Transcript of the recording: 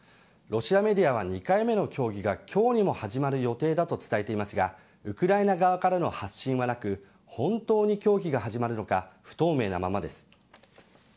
ロシアメディアは２回目の協議が今日にも始まる予定だと伝えていますがウクライナ側からの発信はなく本当に協議が始まるのか不透明なままです。